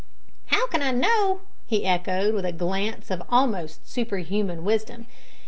"How can I know?" he echoed, with a glance of almost superhuman wisdom.